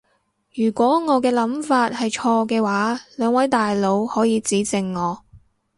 如果我嘅諗法係錯嘅話，兩位大佬可以指正我